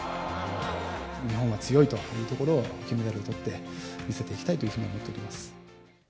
日本は強いというところを、金メダルとって、見せていきたいというふうに思っております。